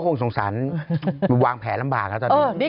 พ่อคงสงสัญวางแผลลำบากตอนนี้